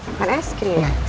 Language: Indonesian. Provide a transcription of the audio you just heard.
makan es krim ya